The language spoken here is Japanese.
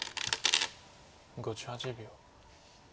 ５８秒。